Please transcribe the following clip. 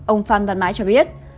ông phan văn mãi cho biết